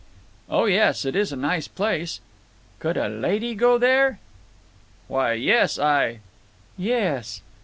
"Oh yes. It is a nice place." "Could a lady go there?" "Why, yes, I—" "Yes!"